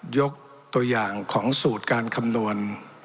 ยกตัวอย่างของสูตรการคำนวณ